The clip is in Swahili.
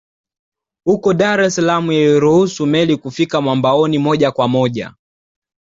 Huko Dar es Salaam iliruhusu meli kufika mwambaoni moja kwa moja